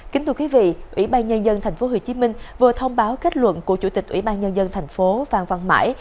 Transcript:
kính thưa quý vị ủy ban nhân dân tp hcm vừa thông báo kết luận của chủ tịch ủy ban nhân dân tp phan văn mãi